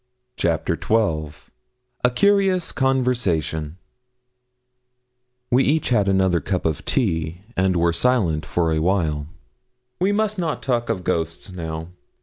CHAPTER XII A CURIOUS CONVERSATION We each had another cup of tea, and were silent for awhile. 'We must not talk of ghosts now.